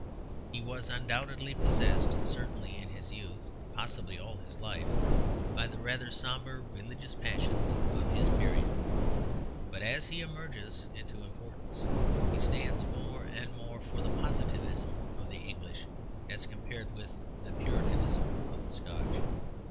He was undoubtedly possessed, certainly in his youth, possibly all his life, by the rather sombre religious passions of his period; but as he emerges into importance, he stands more and more for the Positivism of the English as compared with the Puritanism of the Scotch.